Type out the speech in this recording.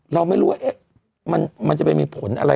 เราไม่รู้ว่ามันจะไปมีผลอะไร